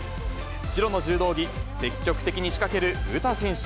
白の柔道着、積極的に仕掛ける詩選手。